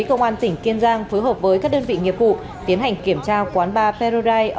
công an tỉnh kiên giang phối hợp với các đơn vị nghiệp vụ tiến hành kiểm tra quán bar perurai